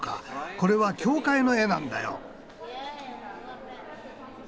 これは教会の絵なんだよ。